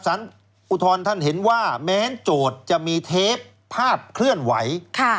อุทธรณ์ท่านเห็นว่าแม้โจทย์จะมีเทปภาพเคลื่อนไหว